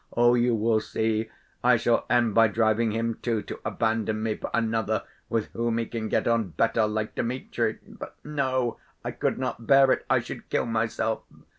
Oh, you will see, I shall end by driving him, too, to abandon me for another with whom he can get on better, like Dmitri. But ... no, I could not bear it, I should kill myself.